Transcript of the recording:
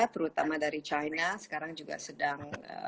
terutama dari china sekarang juga sedang